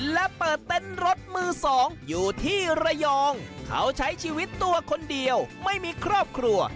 และเปิดเต็นต์รถมือสองอยู่ที่ระยองเขาใช้ชีวิตตัวคนเดียวไม่มีครอบครัว